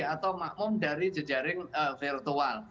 atau makmum dari jejaring virtual